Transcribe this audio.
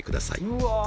うわ。